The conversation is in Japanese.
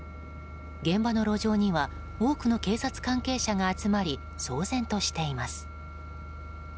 現場の路上には多くの警察関係者が集まり騒然としています。